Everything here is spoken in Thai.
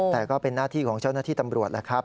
แต่ก็เป็นหน้าที่ของเจ้าหน้าที่ตำรวจแล้วครับ